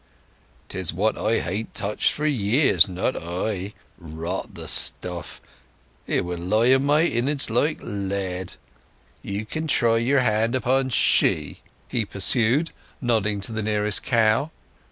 "'Tis what I hain't touched for years—not I. Rot the stuff; it would lie in my innerds like lead. You can try your hand upon she," he pursued, nodding to the nearest cow.